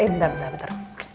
eh bentar bentar